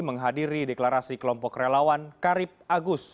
menghadiri deklarasi kelompok relawan karip agus